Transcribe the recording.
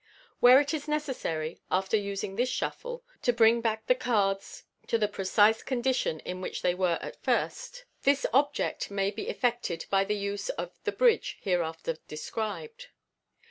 Where it is necessary, after using this shuffle, to bring back the cards to the pre cise condition in which they were at first, this object may be effected by the use of the " bridge," hereafter described.